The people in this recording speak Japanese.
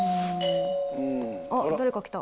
あっ誰か来た。